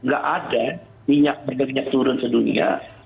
nggak ada minyak minyak turun sedunia